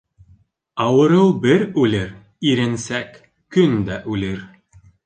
Ауырыу бер үлер, иренсәк көндә үлер.